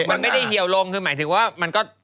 มันไม่ได้เหี่ยวลงคือหมายถึงว่ามันก็